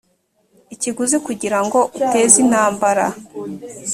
ikiguzi kugira ngo uteze intambara